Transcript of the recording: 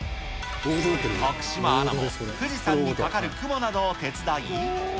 徳島アナも富士山にかかる雲などを手伝い。